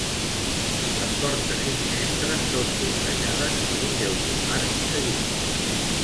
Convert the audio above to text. Les portes i finestres són voltejades per un lleuger marc de guix.